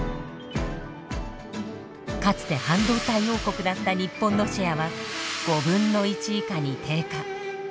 かつて半導体王国だった日本のシェアは５分の１以下に低下。